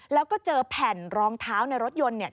แล้วก็เจอแผ่นรองเท้าในรถยนต์